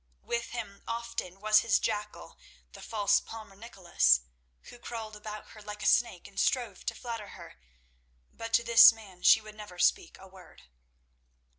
With him often was his jackal, the false palmer Nicholas, who crawled about her like a snake and strove to flatter her, but to this man she would never speak a word.